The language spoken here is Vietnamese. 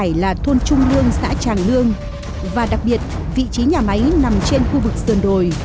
hải là thôn trung lương xã tràng lương và đặc biệt vị trí nhà máy nằm trên khu vực sườn đồi